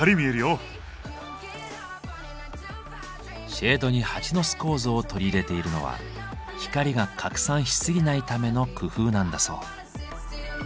シェードにハチの巣構造を取り入れているのは光が拡散しすぎないための工夫なんだそう。